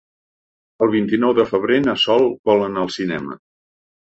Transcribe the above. El vint-i-nou de febrer na Sol vol anar al cinema.